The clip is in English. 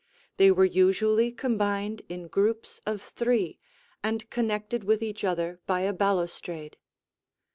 They were usually combined in groups of three and connected with each other by a balustrade.